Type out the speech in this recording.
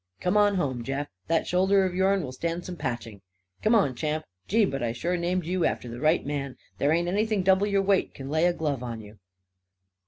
Come on home, Jeff! That shoulder of yourn will stand some patching. C'mon, Champ! Gee, but I sure named you after the right man! There ain't anything double your weight can lay a glove on you!"